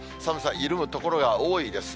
緩む所が多いですね。